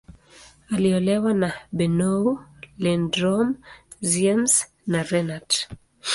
Aliolewa na Bernow, Lindström, Ziems, na Renat.